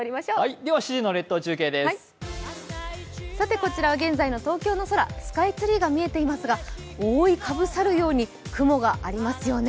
こちらは現在の東京の空、スカイツリーが見えていますが、覆い被さるように雲がありますよね。